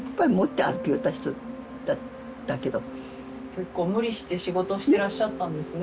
結構無理して仕事してらっしゃったんですね。